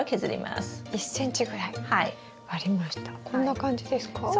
こんな感じですか？